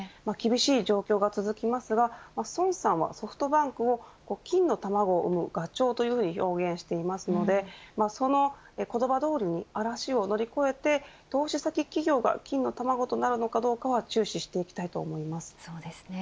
厳しい状況が続きますが孫さんはソフトバンクを金の卵を産むガチョウというふうに表現していますのでその言葉どおりに嵐を乗り越えて投資先企業が金の卵となるのかどうかは注視していきたいと思います。